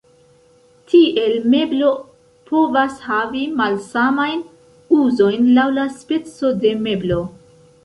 Tiel, meblo povas havi malsamajn uzojn laŭ la speco de meblo.